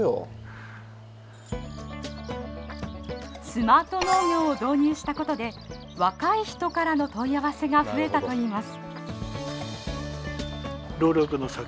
スマート農業を導入したことで若い人からの問い合わせが増えたといいます。